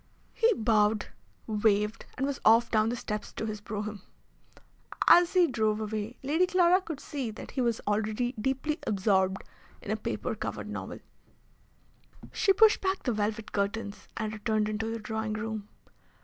He bowed, waved, and was off down the steps to his brougham. As he drove away, Lady Clara could see that he was already deeply absorbed in a paper covered novel. She pushed back the velvet curtains, and returned into the drawing room.